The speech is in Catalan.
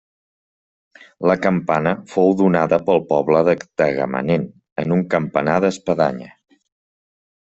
La campana fou donada pel poble de Tagamanent en un campanar d'espadanya.